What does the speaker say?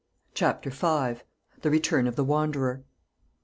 CHAPTER V. THE RETURN OF THE WANDERER.